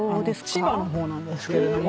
千葉の方なんですけれども。